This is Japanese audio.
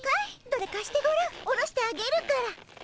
どれかしてごらん下ろしてあげるから。